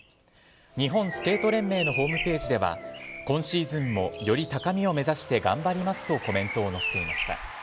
日本スケート連盟のホームページでは、今シーズンもより高みを目指して頑張りますとコメントを載せていました。